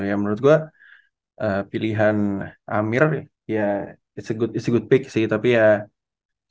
ya menurut gua pilihan amir ya it s a good pick sih tapi ya semoga dia bisa menangkan pemain asing yang lebih besar dari pemain asing